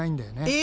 え！